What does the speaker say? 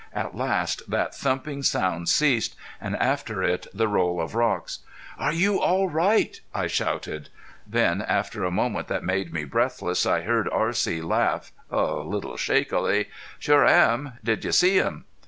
At last that thumping sound ceased, and after it the roll of rocks. "Are you all right?" I shouted. Then, after a moment that made me breathless, I heard R.C. laugh, a little shakily. "Sure am.... Did you see him?"